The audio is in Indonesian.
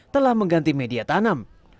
telah mengganti media tanam